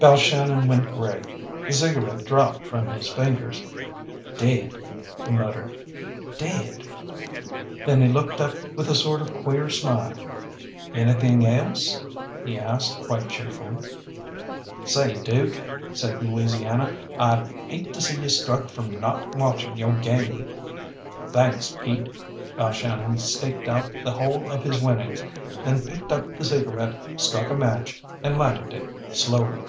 Balshannon went grey, the cigarette dropped from his fingers. "Dead," he muttered, "dead." Then he looked up with a sort of queer smile. "Anything else?" he asked quite cheerfully. "Say, Dook," said Louisiana, "I'd hate to see you struck from not watching yo' game." "Thanks, Pete." Balshannon staked out the whole of his winnings, then picked up the cigarette, struck a match, and lighted it slowly.